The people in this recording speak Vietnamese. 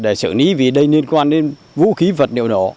để xử lý vì đây liên quan đến vũ khí vật liệu nổ